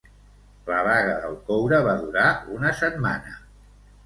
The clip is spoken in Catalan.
La vaga del coure va durar una setmana.